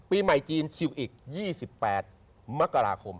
ปีใหม่จีนชิวอีก๒๘มกราคม